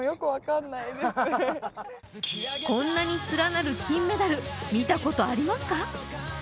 こんなに連なる金メダル見たことありますか？